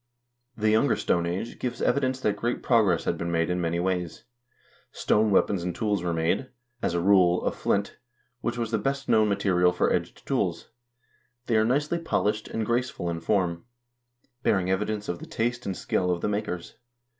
The Younger Stone Age gives evidence that great progress had been made in many ways. Stone weapons and tools were made, as a rule, of flint, which was the best known material for edged tools. They are nicely polished and graceful in form, bearing evidence of the taste and skill of the makers.